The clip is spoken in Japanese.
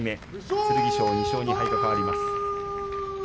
剣翔は２勝４敗と変わります。